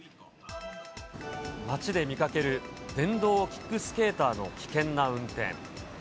街で見かける電動キックスケーターの危険な運転。